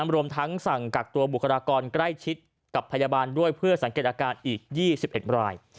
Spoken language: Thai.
รวมทั้งสั่งกักตัวบุคลากรใกล้ชิดกับพยาบาลด้วยเพื่อสังเกตอาการอีก๒๑ราย